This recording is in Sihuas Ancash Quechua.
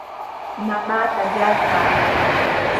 Mamaata yarpaa.